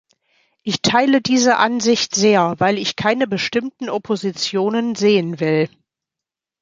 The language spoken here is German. Ich teile diese Ansicht sehr, weil ich keine bestimmten Oppositionen sehen will.